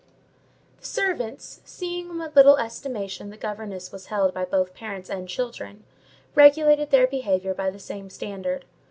The servants, seeing in what little estimation the governess was held by both parents and children, regulated their behaviour by the same standard.